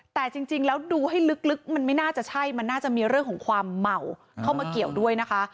แต่จริงแล้วดูให้ลึกมันไม่น่าจะใช่มันน่าจะมีเรื่องของความเมาเข้ามาเกี่ยวด้วยนะคะ